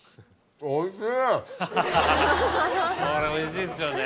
ハハハハこれおいしいですよね。